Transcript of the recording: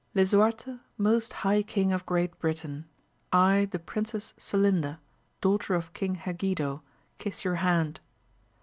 Lisuarte, most high King of Great Britain, I the Princess Celinda, daughter of King Hegido, kiss your hand.